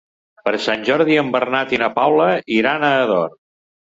Per Sant Jordi en Bernat i na Paula iran a Ador.